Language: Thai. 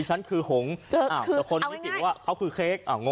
ดิฉันคือหงแต่คนพิษหรือว่าเขาคือเค้กงง